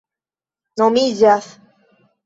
nomiĝas